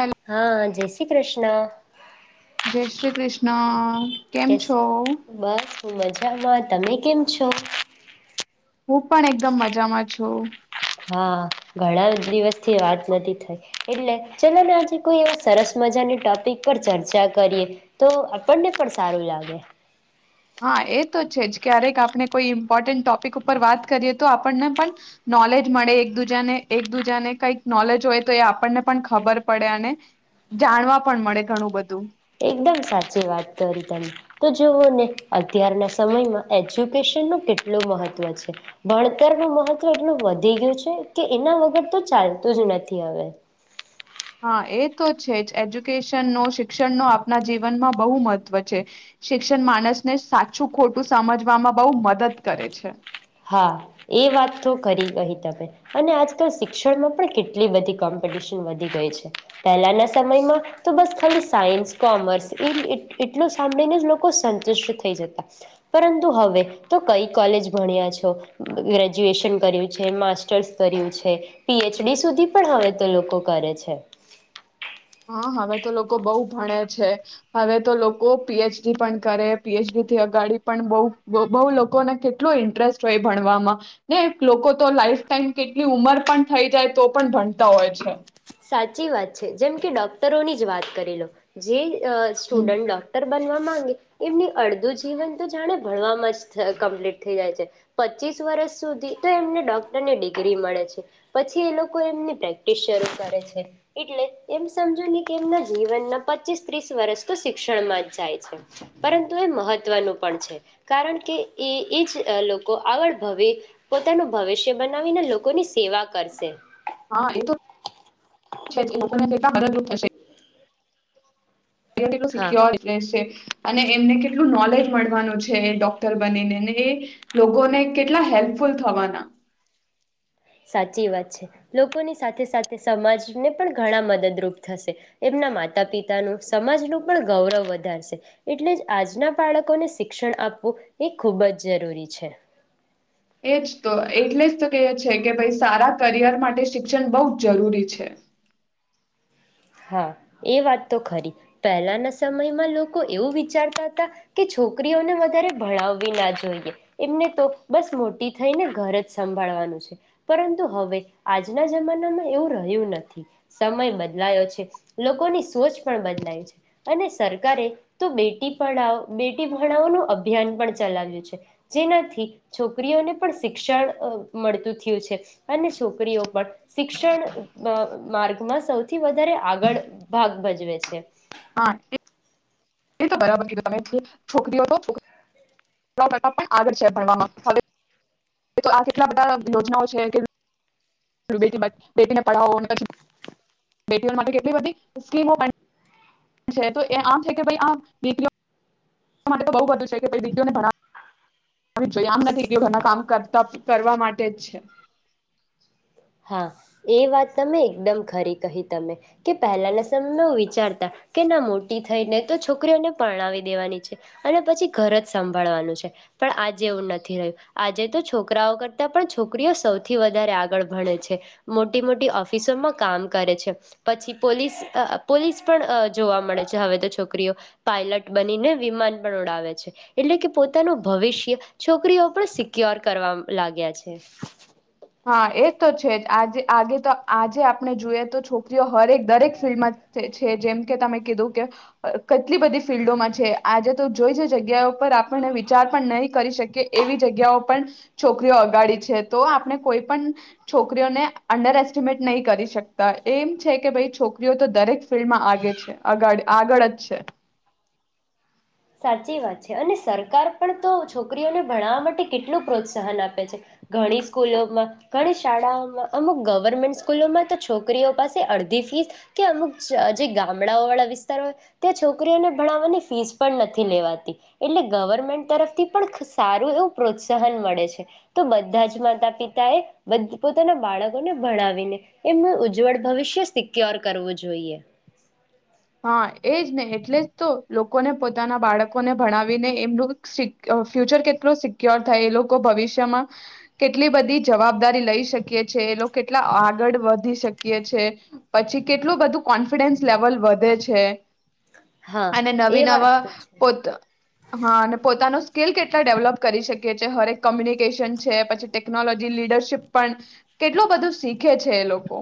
Hello હા જય શ્રી કૃષ્ણ જય શ્રી કૃષ્ણ. કેમ કેસ છો બસ. મજામાં, તમે કેમ છો? હું પણ એકદમ મજામાં છું. હા, ઘણા દિવસથી વાત નથી થઈ એટલે ચલો ને આજે કોઈ એ સરસ મજાની ટોપિક પર ચર્ચા કરીએ તો આપણને પણ સારું લાગે. હા એ તો છે જ ક્યારેક આપણે કોઈ ઇમ્પોર્ટન્ટ ટોપિક ઉપર વાત કરીએ તો આપણને પણ નોલેજ મળે એક દૂજાને એક દુજાને કઈક નોલેજ હોય તો એ આપણને પણ ખબર પડે અને જાણવા પણ મળે ઘણું બધું. એકદમ સાચી વાત કરી તમે તો જુઓને અત્યારના સમયમાં એજ્યુકેશન નું કેટલું મહત્વ છે, ભણતરનું મહત્વ એટલું વધી ગયું છે કે એના વગર તો ચાલતું જ નથી હવે હા એ તો છે જ એજ્યુકેશન નો શિક્ષણ નો આપના જીવનમાં બહુ મહત્ત્વ છે. શિક્ષણ માણસને સાચું ખોટું સમજવામાં બહુ મદદ કરે છે. હા એ વાત તો કરી ગઈ તમે અને આજકાલ શિક્ષણમાં પણ કેટલી બધી કોમ્પિટિશન વધી ગઈ છે. પહેલાના સમયમાં તો બસ ખાલી સાયન્સ કોમર્સ એ એટલું સાંભળીને લોકો સંતુષ્ટ થઈ જતા પરંતુ હવે તો કઈ કોલેજ ભણ્યા છે. ગ્રેજ્યુએશન કર્યું છે, માસ્ટર્સ કર્યું છે, પીએચડી સુધી પણ હવે તો લોકો કરે છે. હા હવે તો લોકો બઉુ ભણે છે હવે તો લોકો પીએચડી પણ કરે, પીએચડીથી અગાડી પણ બ બહુ લોકોને કેટલો ઇન્ટરેસ્ટ હોય ભણવામાં ને લોકો તો લાઈફ ટાઈમ કેટલી ઉમર પણ થઈ જાય તો પણ ભણતા હોય છે. સાચી વાત છે જેમ કે ડોક્ટરોની જ વાત કરી લો, જે અ હમ. સ્ટુડન્ટ ડોક્ટર બનવા એમનું અડધું જીવન તો જાણે ભણવામાં જ કમ્પ્લીટ થઈ જાય છે. પચીસ વર્ષ સુધી તો એમને ડોક્ટરને ડિગ્રી મળે છે. પછી એ લોકો એમની પ્રેક્ટિસ શરૂ છે, એટલે એમ સમજોને કે એમના જીવન ના પચીસ ત્રીસ વર્ષ તો શિક્ષણ માં જ જાય છે, પરંતુ એ મહત મહત્વનું પણ છે. કારણ કે એ એ જ લોકો આગળ ભવે પોતાનું ભવિષ્ય બનાવીને [unintelligible] સેવા કરશે. હા એ તો છે જ લોકોને કેટલા મદદરૂપ થશે. તે કેટલો હા સિક્યોર એટલે સેફ અને એમને કેટલું નોલેજ મળવાનું છે એ ડોક્ટર બનીને એ લોકોને કેટલા હેલ્પફુલ થવાના. સાચી વાત છે. લોકોની સાથે સાથે સમાજને પણ ઘણા મદદરૂપ થશે. એમના માતા પિતાનું સમાજનું પણ ગૌરવ વધારશે. એટલે જ આજના બાળકોને શિક્ષણ આપવું એ ખૂબ જ જરૂરી છે. એ જ તો એટલે જ તો કહીએ છે કેમ કે ભાઈ સારા કરિયર માટે શિક્ષણ બહું જરૂરી છે. હા, એ વાત તો ખરી પહેલાના સમયમાં લોકો એવું વિચારતા હતા કે છોકરીઓને વધારે ભણાવવી ના જોઈએ. એમને તો બસ મોટી થઈને ઘર જ સંભાળવાનું છે. પરંતુ હવે આજના જમાનામાં એવું રહ્યું નથી સમય બદલાયો છે. લોકોની સોચ પણ બદલાય છે અને સરકારે તો બેટી પઢાવ બેટી ભણવાનું અભિયાન પણ ચલાવ્યું છે. જેનાથી છોકરીઓને પણ શિક્ષણ અ મળતું થયું છે અને છોકરીઓ પણ શિક્ષણ અ માર્ગમાં સૌથી વધ અરે આગળ ભાગ ભજવે છે. હા એ એ તો બરાબર કીધું તમે છો છોકરીઓ તો છોકરા પણ આગળ છે ભણવામાં હવે તો આ કેટલા બધા યોજનાઓ છે કે બેટી બચ બેટીને પઢાવો ને પછી બેટીઓ માટે કેટલી બધી સ્કીમો પણ છે તો એ આમ છે કે ભાઈ આમ બેટીઓ માટે તો બહુ બધું છે કે ભાઈ દીકરીઓને ભણા જો આમ નથી કે ઘણા કામ કરતા કરવા માટે જ છે. હા એ વાત તમે એકદમ ખરી કહી તમે કે પહેલાના સમયમાં વિચારતા કે ના મોટી થઈને તો છોકરીઓને પરણાવી દેવાની છે અને પછી ઘર જ સંભાળવાનું છે. પણ આજે એવું નથી રહ્યું. આજે તો છોકરાઓ કરતા પણ છોકરીઓ સૌથી વધારે આગળ ભણે છે. મોટી મોટી ઓફિસોમાં કામ કરે છે. પછી પોલીસ અ પોલીસ પણ અ જોવા મળે છે. હવે તો છોકરીઓ પાયલટ બનીને વિમાન પણ ઉડાવે છે એટલે કે પોતાનું ભવિષ્ય છોકરીઓ પણ સિક્યોર કરવા અ લાગ્યા છે. હા એ તો છે જ આજે આજે તો આજે આપણે જોઈએ તો છોકરીઓ હરેક દરેક ફિલ્ડમાં છે. જેમ કે તમે કીધું કે કેટલી બધી ફિલ્ડોમાં છે. આજે તો જોઈ જે જગ્યાઓ પર આપણને વિચાર પણ નહી કરી શકીએ એવી જગ્યાઓ પણ છોકરીઓ અગાડી છે તો આ કોઈ પણ છોકરીઓને અંડર એસ્ટિમેટ નહી કરી શકતા. એમ છે કે ભાઈ છોકરીઓ તો દરેક ફિલ્ડમાં આગે છે અગાડ આગળ જ છે. સાચી વાત છે અને સરકાર પણ તો છોકરીઓને ભણાવવા માટે કેટલું પ્રોત્સાહન આપે છે. ઘણી સ્કૂલોમાં, ઘણી શાળાઓમાં, અમુક ગવર્મેન્ટ સ્કૂલોમાં તો છોકરીઓ પાસે અડધી ફીસ કે અમુક જે ગામડાઓ વાળા વિસ્તારો ત્યાં છોકરીઓને ભણાવવાની ફીસ પણ નથી લેવાતી. એટલે ગવર્મેન્ટ તરફથી પણ સારું એવું પ્રોત્સાહન મળે છે. તો બધા જ માતા પિતા એ પોતાના બાળકોને ભણાવીને એમનું ઉજ્જવળ ભવિષ્ય સિક્યોર કરવું જોઈએ. હા એજ ને એટલે જ તો લોકોને પોતાના બાળકોને ભણાવીને એમનું સિક ફ્યુચર કેટલુ સિક્યોર થાય, એ લોકો ભવિષ્યમાં કેટલી બધી જવાબદારી લઈ શકીએ છે, એ લોકો કેટલા આગળ વધી શકીએ છે પછી કેટલું બધું કોન્ફિડન્સ લેવલ વધ વધે છે. હા અને એ નવી વાત નવા તો છે પો હા અને પોતાનું સ્કીલ કેટલા ડેવલપ કરી શકીએ છીએ, હરેક કોમ્યુનિકેશન છે પછી ટેકનોલોજી લીડરશીપ પણ કેટલું બધું શીખે છે એ લોકો.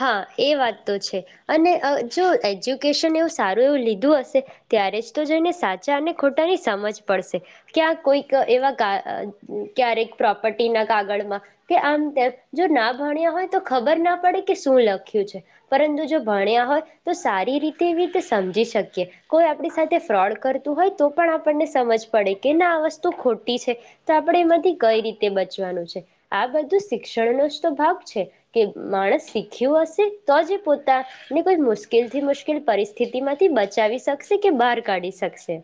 હા એ વાત તો છે અને અ જો એજ્યુકેશન એવું સારું એવું લીધું હશે ત્યારે જ તો જેને સાચા અને ખોટાની સમજ પડશે, ક્યાં કોઈક એવા કા ક્યારેક પ્રોપર્ટીના કાગળમાં કે આમ જો ના ભણ્યા હોય તો ખબર ના પડે. કે શું લખ્યું છે. પરંતુ જો ભણ્યા હોય તો સારી રીતે એવી રીતે સમજી શકીએ. કોઈ આપણી સાથે ફ્રોડ કરતું હોય તો પણ આપણને સમજ પડે કે ના આ વસ્તુ ખોટી છે. તો આપણે એમાંથી કઈ રીતે બચવાનું છે આ બધું શિક્ષણનો જ તો ભાગ છે કે માણસ શીખ્યું હશે, તો જ પોતાને કોઈ મુશ્કેલ થી મુશ્કેલ પરિસ્થિતિ માંથી બચાવી શકશે કે બહાર કાઢી શકશે.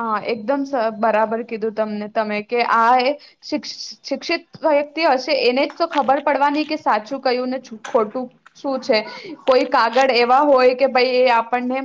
હા, એકદમ બરાબર કીધું તમને તમે કે આ શિ શિક્ષિત વ્યક્તિ હશે એને જ તો ખબર પડવા નહી કે સાચું કયું ને ખોટું શું છે. કોઈ કાગળ એવા હોય કે ભાઈ એ આપણને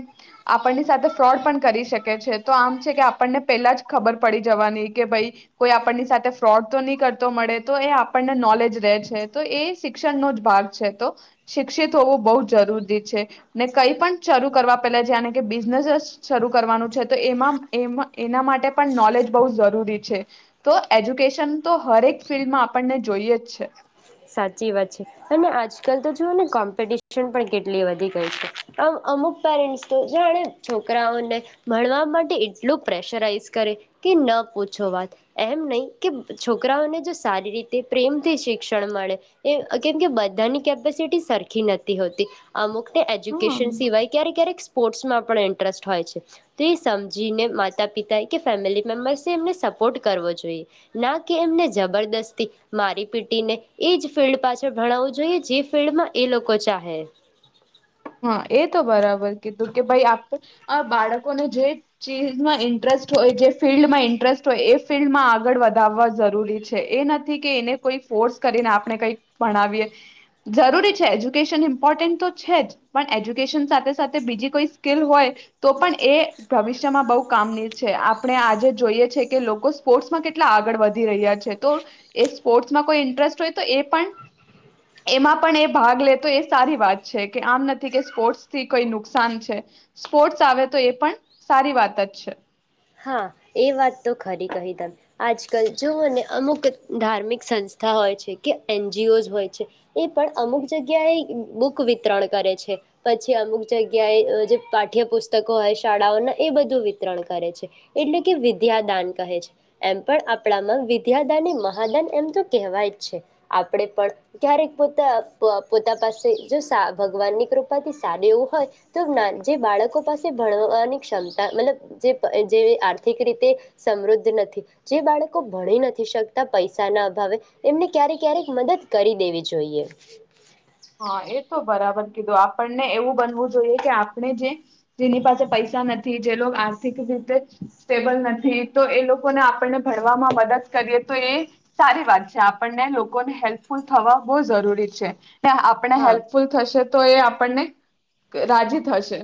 આપણની સાથે ફ્રોડ પણ કરી શકે છે. તો આમ છે આપણને પેલા જ ખબર પડી જવાની કે ભાઈ કોઈ આપણની સાથે ફ્રોડ તો નહી કરતો મળે તો એ આપણને નોલેજ રહેે છે, તો એ શિક્ષણનો જ ભાગ છે. તો શિક્ષિત હોવું બહુ જરૂરી છે ને કઈ પણ શરૂ કરવા પેલા જેણે કે બિઝનેસ જ શરૂ કરવાનું છે. તો એમાં, એમા એના માટે પણ નોલેજ બહુ જરૂરી છે. તો એજ્યુકેશન તો હરેક ફિલ્ડમાં આપણને જોઈએ જ છે. સાચી વાત છે. તેમાં આજકાલ તો જુઓ ને કોમ્પિટિશન પણ કેટલી વધી ગઈ છે. અમ, અમુક પેરેન્ટ્સ તો જાણે છોકરાઓને ભણવા માટે એટલું પ્રેશરાઈઝ કરે કે ન પૂછો વાત! એમ નહીં કે છોકરાઓને જો સારી રીતે પ્રેમથી શિક્ષ ક્ષણ મળે એ, કેમ કે બધાની કેપેસિટી સરખી નતી હોતી અમુક એજ્યુકેશન હમ. સિવાય ક્યારેક ક્યારેક સ્પોર્ટ્સમાં પણ ઇન્ટરેસ્ટ હોય છે. તો એ સમજીને માતા પિતાએ કે ફેમિલી મેમ્બર્સે, એમને સપોર્ટ કરવો જોઈએ. ના કે, એમને જબરદસ્તી મારી પીટીને એજ ફિલ્ડ પાછળ ભણાવવું જોઈએ, જે ફિલ્ડમાં એ લોકો ચાહે. હા, એ તો બરાબર કીધું કે ભાઈ, આપ, બાળકોને જે ચીજમાં ઇન્ટરેસ્ટ હોય, જે ફિલ્ડમાં ઇન્ટરેસ્ટ હોય, એ ફિલ્ડમાં આગળ વધાવવા જરૂરી છે. એ નથી કે એને કોઈ ફોર્સ કરીને આપણે કંઈક ભણાવીએ. જરૂરી છે, એજ્યુકેશન ઇમ્પોર્ટન્ટ તો છે જ પણ એજ્યુકેશન સાથે સાથે બીજી કોઈ સ્કીલ હોય, તો પણ એ ભવિષ્યમાં બહુ કામની છે. આપણે આજે જોઈએ છે, કે લોકો સ્પોર્ટ્સમાં કેટલા આગળ વધી રહ્યા છે. તો એ સ્પોર્ટ્સમાં કોઈ ઇન્ટરેસ્ટ હોય તો એ પણ, એમાં પણ, એ ભાગ લે, તો એ સારી વાત છે કે આમ ન કે સ્પોર્ટ્સ થી કોઈ નુકસાન છે. સ્પોર્ટ્સ આવે તો એ પણ, સારી વાત જ છે. હા, એ વાત તો ખરી કહી તમે. આજકાલ જોઓને અમુક ધાર્મિક સંસ્થા હોય છે કે એનજીઓઝ હોય છે એ પણ અમુક જગ્યાએ બુક વિતરણ કરે છે. પછી અમુક જગ્યાએ જે પાઠ્યપુસ્તકો હોય શાળાઓના એ બધું વિતરણ કરે છે. એટલે કે વિદ્યાદાન કહે છે. એમ પણ આપણામાં વિદ્યાદાન એ મહાદાન એમ તો કેહેવાય જ છે. આપણે પણ ક્યારેક પોતા, પોતા પાસે જો સા ભગવાનની કૃપાથી સારી એવું હોય, તો જે બાળકો પાસે ભણવાની ક્ષમતા મતલબ જે અ જેવી આર્થિક રીતે સમૃદ્ધ નથી, જે બાળકો ભણી નથી શકતા પૈસાના અભાવે, એમને ક્યારે ક્યારેક મદદ કરી દેવી જોઈએ. હા, એ તો બરાબર કીધું. આપણને એવું બનવું જોઈએ કે આપણે જે જેની પાસે પૈસા નથી, જે લોગ આર્થિક રીતે સ્ટેબલ નથી, તો એ લોકોને આપણને ભણવામાં મદદ કરીએ તો એ સારી વાત છે. આપણને લોકોને હેલ્પફુલ થવા બહુ ઝરૂરી છે. ને આપણે હા હેલ્પફુલ થશે તો એ આપણને, રાજી થશે.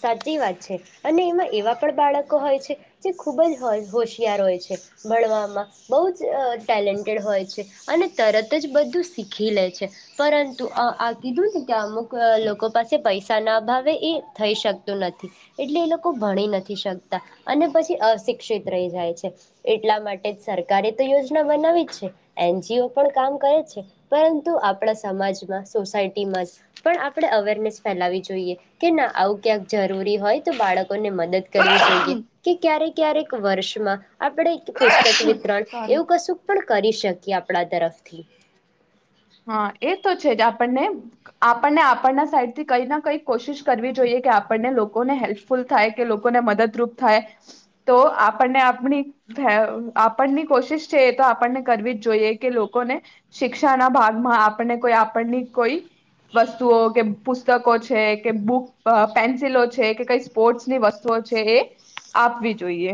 સાચી વાત છે. અને એમાં એવા પણ બાળકો હોય છે જે ખૂબ જ હોશિયાર હોય છે ભણવામાં, બહુ જ ટેલેન્ટેડ હોય છે, અને તરત જ બધું સીખી લે છે. પરંતુ આ કીધું ને કે અમુક લોકો પાસે પૈસા ના અ ભાવે એ થઈ શકતું નથી, એટલે એ લોકો ભણી નથી શકતા. અને પછી અશિક્ષિત રહી જાય છે, એટલા માટે જ સરકારે તો યોજના બનાવી જ છે, એનજીઓ પણ કામ કરે છે, પરંતુ આપણા સમાજમાં, સોસાયટીમાં જ પણ આપણે અવેરનેસ ફેલાવવી જોઈએ કે, ના આવું ક્યાંક જરૂરી હોય, તો બાળક ને મદદ કરવી જોઈએ કે ક્યારેક ક્યારેક વર્ષમાં આપણે પુસ્તક વિતરણ સોરી. એવું કસુક પણ કરી શકે કે આપણા તરફથી હા, એ તો છે જ. આપણને, આપણને આપણના સાઈડથી કંઈ ના કઈક કોશિશ કરવી જોઈએ. કે આપણને લોકોને હેલ્પફુલ થાય કે લોકોને મદદરૂપ થાય તો આપણને આપણી ફેવ, આપણની કોશિશ છે એ તો આપણને કરવી જ જોઈએ કે લોકોને શિક્ષાના ભાગ આપણને કોઈ, આપણની કોઈ વસ્તુઓ કે પુસ્તકો છે કે બુક અ પેન્સિલો છે કે કઈ સ્પોર્ટસની વસ્તુઓ છે એ આપવી જોઈએ.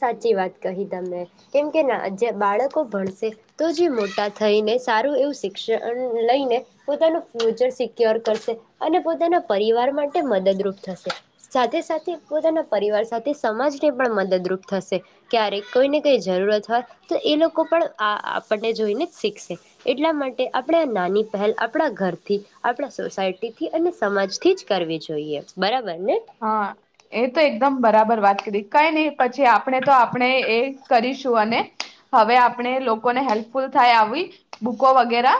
સાચી વાત કહી તમે. કેમ કે ના, જે બાળકો ભણશે તો જે મોટા થઈને સારું એવું શિક્ષણ લઈને, પોતાનું ફ્યુચર સિક્યોર કરશે, અને પોતાના પરિવાર માટે મદદરૂપ થશે. સાથે સાથે, પોતાના પરિવાર સાથે સમાજને પણ મદદરૂપ થશે, ક્યારેક કોઈને કંઈ જરૂરત હોય તો એ લોકો પણ આ, આપણને જોઈને જ શીખશે. એટલા માટે, આપણે આ નાની પહેલ આપણા ઘરથી, આપણા સોસાયટીથી, અને સમાજથી જ કરવી જોઈએ. બરાબર ને હા, એ તો એકદમ બરાબર. ર વાત કરી કઈ નહી, પછી આપણે તો, આપણે એ કરીશું, અને હવે આપણે લોકોને હેલ્પફુલ થાય આવી બુકો વગેરા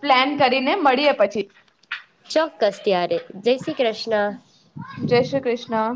પ્લાન કરીને મળીએ પછી. ચોક્કસ, ત્યારે! જય શ્રી કૃષ્ણ જય શ્રી ક્રિષ્ના!